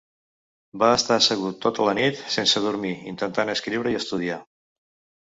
Va estar assegut tota la nit sense dormir, intentant escriure i estudiar.